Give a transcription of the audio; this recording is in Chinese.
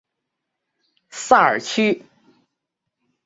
萨尔屈。